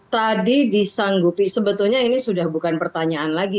tadi disanggupi sebetulnya ini sudah bukan pertanyaan lagi